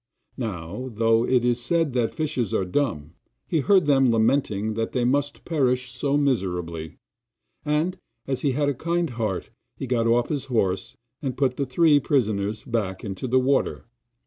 Now, though it is said that fishes are dumb, he heard them lamenting that they must perish so miserably, and, as he had a kind heart, he got off his horse and put the three prisoners back into the water.